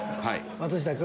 松下君。